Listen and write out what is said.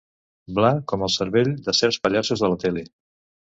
Bla com el cervell de certs pallassos de la tele.